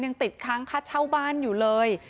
ยังติดค้างค่าเช่าบ้านอยู่เลย